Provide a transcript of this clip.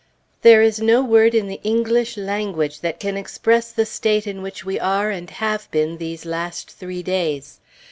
There is no word in the English language that can express the state in which we are, and have been, these last three days.